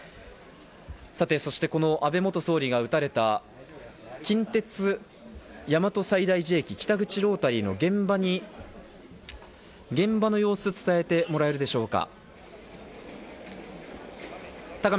そして、この安倍元総理が撃たれた近鉄・大和西大寺駅北口ロータリーの現場の様子を伝えてもらえるでしょうか。